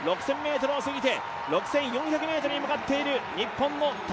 ６０００ｍを過ぎて６４００ｍに向かっています